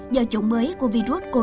do chủng mới của virus corona gây ra